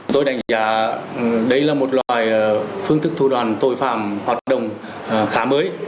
tôi đánh giá đây là một loài phương thức thu đoàn tội phạm hoạt động khá mới